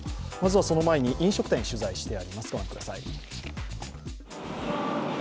まずはその前に飲食店、取材してあります。